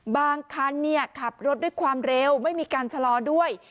บางคันขับรถด้วยความเร็วไม่มีการชะลอด้วย